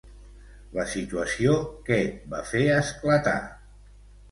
La situació què va fer esclatar?